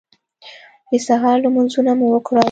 د سهار لمونځونه مو وکړل.